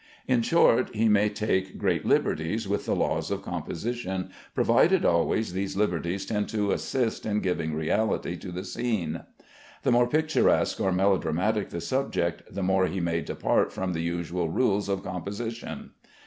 In short, he may take great liberties with the laws of composition, provided always these liberties tend to assist in giving reality to the scene. The more picturesque or melodramatic the subject, the more he may depart from the usual rules of composition.